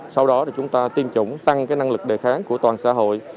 sau đó thì chúng ta tiêm chủng tăng năng lực đề kháng của toàn xã hội